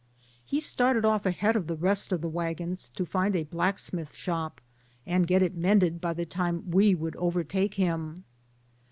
He started off ahead of the rest of the wagons to find a blacksmith shop and get it mended by the time we would overtake him.